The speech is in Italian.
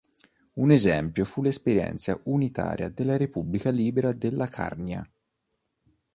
Un esempio fu l'esperienza unitaria della Repubblica libera della Carnia.